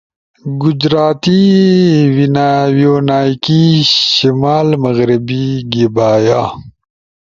گجراتی، ویونائیکی، شمال مغری گیبایا